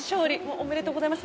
おめでとうございます。